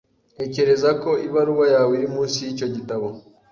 Ntekereza ko ibaruwa yawe iri munsi yicyo gitabo .